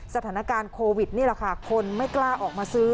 สถานการณ์โควิดนี่แหละค่ะคนไม่กล้าออกมาซื้อ